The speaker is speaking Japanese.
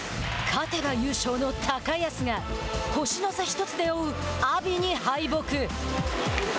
勝てば優勝の高安が星の差１つで追う阿炎に敗北。